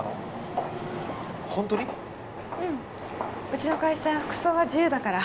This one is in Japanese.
うちの会社服装は自由だから。